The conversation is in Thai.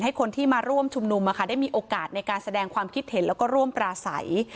ให้คนที่มาร่วมชุมนุมได้มีโอกาสในการแสดงความคิดเห็นแล้วก็ร่วมปราศัย